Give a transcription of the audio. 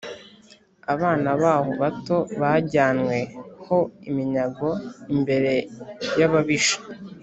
Abana baho bato bajyanywe ho abanyagano imbere y’ababisha.